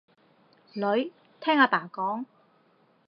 女，聽阿爸講